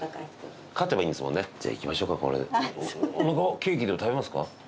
ケーキでも食べますか？